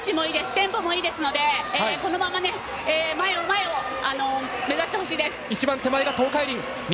テンポもいいですのでこのまま前を前を目指してほしいです。